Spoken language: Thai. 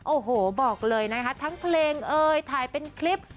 โอ้โหบอกเลยนะคะทั้งเพลงเอ่ยถ่ายเป็นคลิป